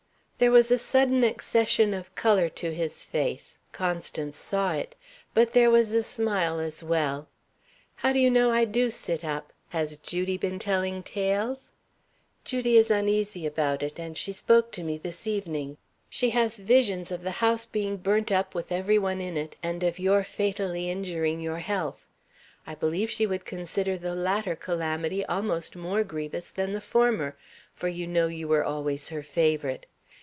There was a sudden accession of colour to his face Constance saw it; but there was a smile as well. "How do you know I do sit up? Has Judy been telling tales?" "Judy is uneasy about it, and she spoke to me this evening. She has visions of the house being burnt up with every one in it, and of your fatally injuring your health. I believe she would consider the latter calamity almost more grievous than the former, for you know you were always her favourite.